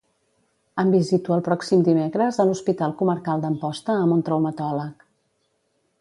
Em visito el pròxim dimecres a l'Hospital Comarcal d'Amposta amb un traumatòleg.